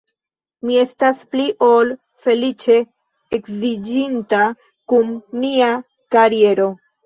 Mi estas pli ol feliĉe edziĝinta kun mia kariero.